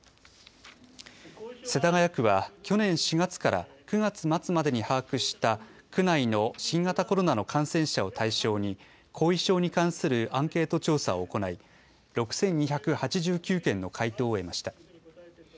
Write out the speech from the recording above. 世田谷区は、去年４月から９月末までに把握した区内の新型コロナの感染者を対象に、後遺症に関するアンケート調査を行い、６２８９件の回答を得ました。